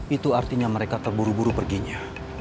itu artinya mereka terburu buru perginya